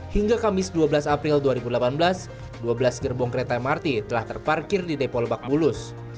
hingga kamis dua belas april dua ribu delapan belas dua belas gerbong kereta mrt telah terparkir di depo lebak bulus